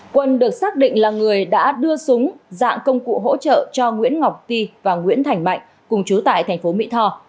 quân được xác định là người đã đưa súng dạng công cụ hỗ trợ cho nguyễn ngọc ti và nguyễn thành mạnh cùng chú tại thành phố mỹ tho